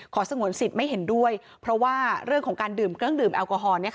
สงวนสิทธิ์ไม่เห็นด้วยเพราะว่าเรื่องของการดื่มเครื่องดื่มแอลกอฮอล์